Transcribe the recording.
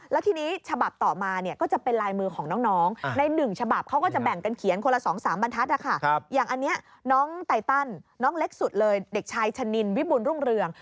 เล็กสุดเลยเด็กชายชะนิญวิบุลรุ่งเรือง